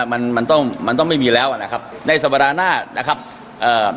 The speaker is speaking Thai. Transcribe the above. มันมันต้องมันต้องไม่มีแล้วอ่ะนะครับในสัปดาห์หน้านะครับเอ่อ